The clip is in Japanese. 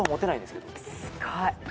すごい。